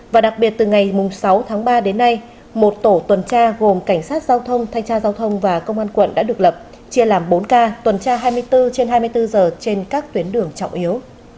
và đặc biệt từ ngày sáu tháng ba đến nay một tổ tuần tra gồm cảnh sát giao thông thanh tra giao thông và công an quận đã được lập chia làm bốn ca tuần tra hai mươi bốn trên hai mươi bốn giờ trên các tuyến đường trọng yếu